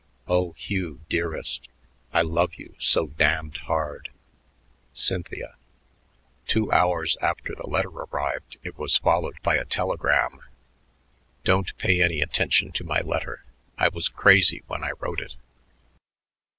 Oh, Hugh dearest, I love you so damned hard. CYNTHIA. Two hours after the letter arrived it was followed by a telegram: Don't pay any attention to my letter. I was crazy when I wrote it.